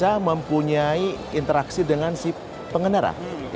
karena dia mempunyai interaksi dengan si pengendara